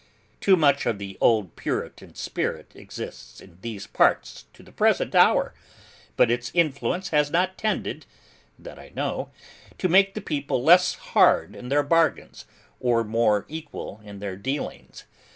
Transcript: Too much of the old Puritan spirit exists in these parts to the present hour; but its influence has not tended, that I know, to make the people less hard in their bargains, or more equal in their dealings.